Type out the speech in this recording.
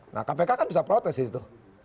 nah kpk kan bisa protes itu